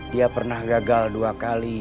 dia pernah gagal dua kali